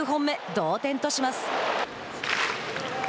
同点とします。